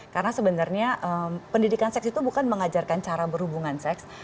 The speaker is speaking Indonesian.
karena sebenarnya pendidikan seks itu bukan mengajarkan cara berhubungan seks